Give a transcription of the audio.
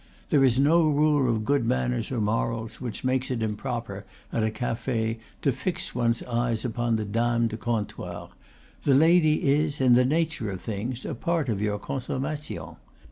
There is no rule of good manners or morals which makes it improper, at a cafe, to fix one's eyes upon the dame de comptoir; the lady is, in the nature of things, a part of your consommation.